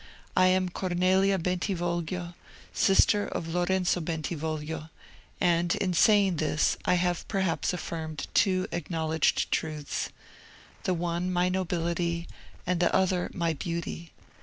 I am Cornelia Bentivoglio, sister of Lorenzo Bentivoglio; and, in saying this, I have perhaps affirmed two acknowledged truths,—the one my nobility, and the other my beauty.